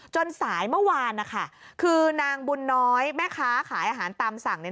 สายเมื่อวานนะคะคือนางบุญน้อยแม่ค้าขายอาหารตามสั่งเนี่ย